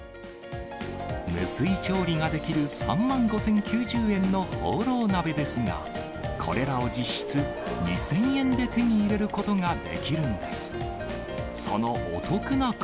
無水調理ができる３万５０９０円のホーロー鍋ですが、これらを実質２０００円で手に入れることができるんです。